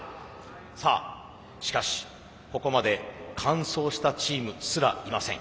さあしかしここまで完走したチームすらいません。